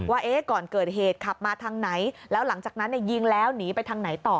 ว่าก่อนเกิดเหตุขับมาทางไหนแล้วหลังจากนั้นยิงแล้วหนีไปทางไหนต่อ